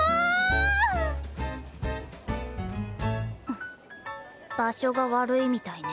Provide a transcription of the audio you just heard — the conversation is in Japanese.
ん場所が悪いみたいね。